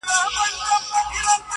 د زړو شرابو ډکي دوې پیالې دي,